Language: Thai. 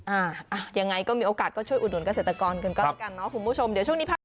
อ่าอ่ะยังไงก็มีโอกาสก็ช่วยอุดหนุนเกษตรกรกันก็แล้วกันเนาะคุณผู้ชมเดี๋ยวช่วงนี้พัก